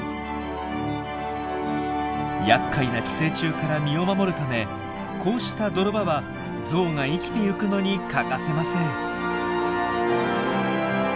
やっかいな寄生虫から身を守るためこうした泥場はゾウが生きてゆくのに欠かせません。